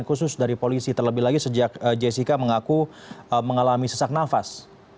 khusus dari polisi terlebih lagi sejak jessica mengaku mengalami sesak nafas